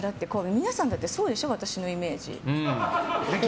皆さんだってそうでしょ私のイメージ。